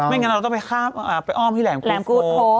ไม่งั้นเราต้องไปคาบไปอ้อมที่แหลมกูฟโฟ